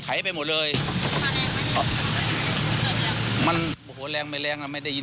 ไปอย่างเนี้ย